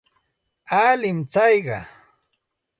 Alin tsayqa.